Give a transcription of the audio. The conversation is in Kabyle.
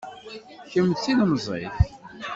Kemm d tilemẓit.